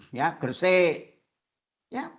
masih jauh dari targetnya